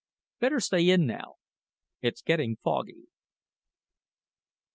Better stay in now it's getting foggy."